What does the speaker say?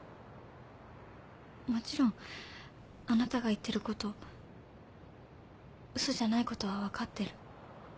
もちろんあなたが言ってること嘘じゃないことは分かってる。